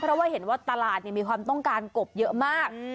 เพราะว่าเห็นว่าตลาดมีความต้องการกบเยอะมาก